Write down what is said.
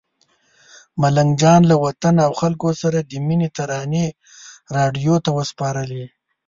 ملنګ جان له وطن او خلکو سره د مینې ترانې راډیو ته وسپارلې.